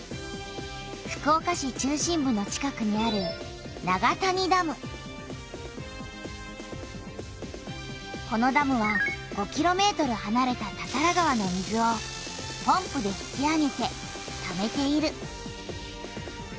福岡市中心部の近くにあるこのダムは５キロメートルはなれた多々良川の水をポンプで引き上げてためている。